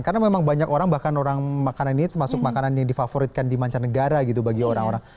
karena memang banyak orang bahkan orang makanan ini termasuk makanan yang difavoritkan di mancanegara gitu bagi orang orang